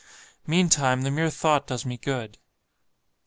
"Meantime, the mere thought does me good."